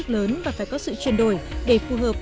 lớn và phải có sự chuyển đổi để phù hợp